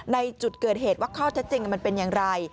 ในจุดเกิดเหตุว่าข้อเท็จจริงมันเป็นอย่างไร